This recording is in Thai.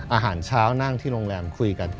อาหารเช้านั่งที่โรงแรมคุยกัน